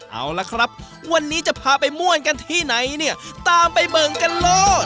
เอาละครับวันนี้จะพาไปม่วนกันที่ไหนเนี่ยตามไปเบิ่งกันโลก